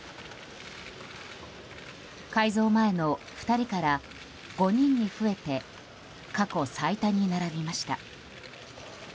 改造前の２人から５人に増えて過去最多に並びました。